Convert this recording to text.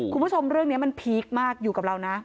คุณผู้ชมเรื่องนี้มันพีคมากอยู่กับเรานะ